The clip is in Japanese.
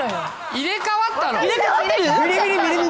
入れ替わってる？